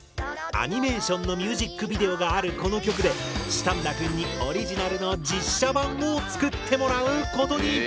アニメーションのミュージックビデオがあるこの曲でシタンダくんにオリジナルの実写版を作ってもらうことに！